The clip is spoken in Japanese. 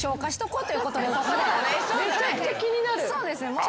めちゃくちゃ気になる。